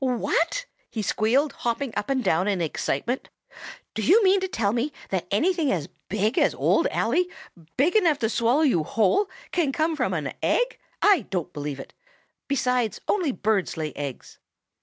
"What?" he squealed, hopping up and down in excitement. "Do you mean to tell me that anything as big as Old Ally, big enough to swallow you whole, can come from an egg? I don't believe it! Besides, only birds lay eggs."